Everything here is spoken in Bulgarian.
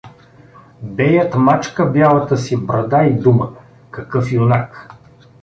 Беят мачка бялата си брада и дума: — Какъв юнак!